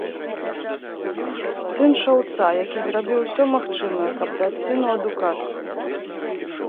Сын шаўца, які зрабіў усё магчымае, каб даць сыну адукацыю.